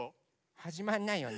はじまんないよね。